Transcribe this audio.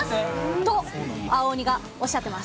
と、青鬼がおっしゃってます。